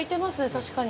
確かに。